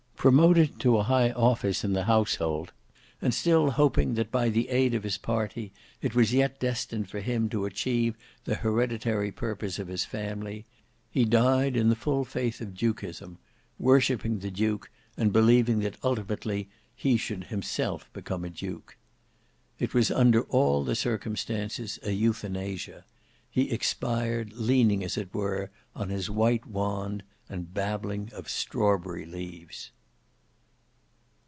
Promoted to a high office in the household, and still hoping that, by the aid of his party, it was yet destined for him to achieve the hereditary purpose of his family, he died in the full faith of dukism; worshipping the duke and believing that ultimately he should himself become a duke. It was under all the circumstances an euthanasia; he expired leaning as it were on his white wand and babbling of strawberry leaves.